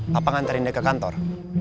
papa nganterin dia ke kantor